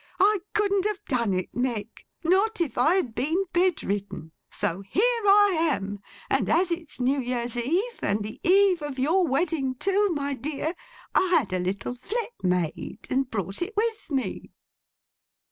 I couldn't have done it, Meg. Not if I had been bed ridden. So here I am; and as it's New Year's Eve, and the Eve of your wedding too, my dear, I had a little flip made, and brought it with me.